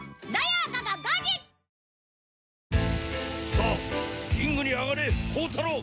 さあリングに上がれ宝太郎！